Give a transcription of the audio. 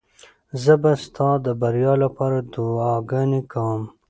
زه به ستا د بریا لپاره دعاګانې کوم.